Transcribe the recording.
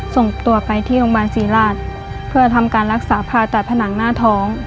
ส่งตัวไปที่โรงพยาบาลศรีราชเพื่อทำการรักษาผ่าตัดผนังหน้าท้อง